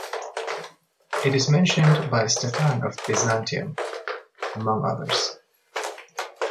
It is mentioned by Stephan of Byzantium, among others.